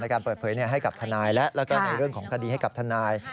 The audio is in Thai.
การเปิดเผยให้กับทนายและแล้วก็ในเรื่องของคดีให้กับทนาย